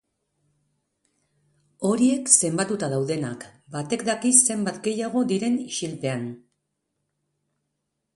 Horiek zenbatuta daudenak, batek daki zenbat gehiago diren isilpean.